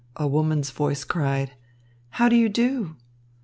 a woman's voice cried. "How do you do?"